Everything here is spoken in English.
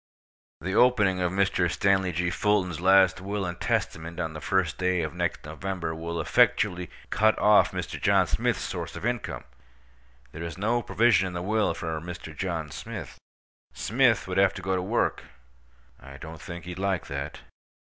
The opening of Mr. Stanley G. Fulton's last will and testament on the first day of next November will effectually cut off Mr. John Smith's source of income. There is no provision in the will for Mr. John Smith. Smith would have to go to work. I don't think he'd like that.